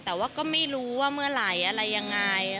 แต่ว่าก็ไม่รู้ว่าเมื่อไหร่อะไรยังไง